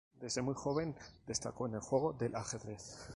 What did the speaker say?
Desde muy joven destacó en el juego del ajedrez.